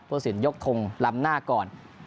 ธีรศิลป์ยกทงลำหน้าก่อน